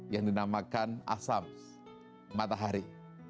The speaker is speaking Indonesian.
yang dinamakan asams matahari